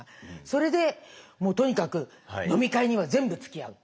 それでとにかく飲み会には全部つきあう。